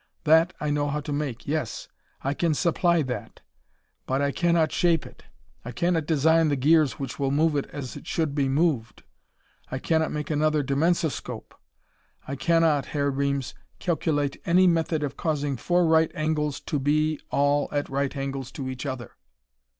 That, I know how to make. Yes. I can supply that. But I cannot shape it! I cannot design the gears which will move it as it should be moved! I cannot make another dimensoscope. I cannot, Herr Reames, calculate any method of causing four right angles to be all at right angles to each other.